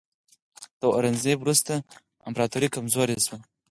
د اورنګزیب وروسته امپراتوري کمزورې شوه.